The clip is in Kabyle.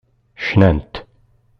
Cnant.